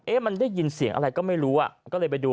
มันได้ยินเสียงอะไรก็ไม่รู้อ่ะก็เลยไปดู